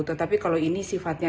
tetapi kalau ini sifatnya